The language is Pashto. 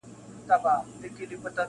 • ښکلي همېش د سترګو پاس دا لړمان ساتي ,